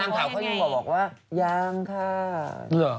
นางข่าวเขายิ่งกว่าบอกว่ายังค่ะ